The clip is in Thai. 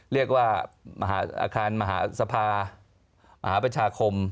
เรียกว่ามหาอาคารมหาสภามหาประชาคม